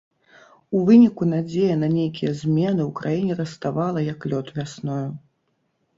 У выніку надзея на нейкія змены ў краіне раставала, як лёд вясною.